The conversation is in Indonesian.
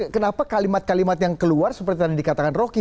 kenapa kalimat kalimat yang keluar seperti tadi dikatakan rocky